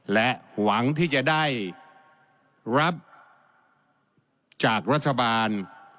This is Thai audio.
และหวังที่จะได้รับจากรัฐบาล